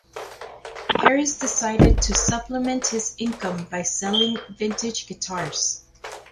Harris decided to supplement his income by selling vintage guitars.